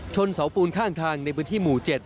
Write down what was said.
เสาปูนข้างทางในพื้นที่หมู่๗